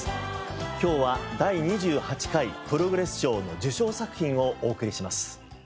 今日は第２８回ＰＲＯＧＲＥＳＳ賞の受賞作品をお送りします。